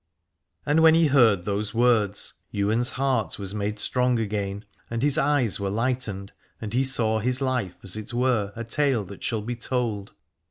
And when he heard those words Ywain's heart was made strong again and his eyes were lightened ; and he saw his life as it were a tale that shall be told.